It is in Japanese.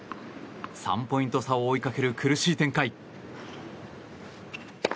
３ポイント差を追いかける苦しい展開。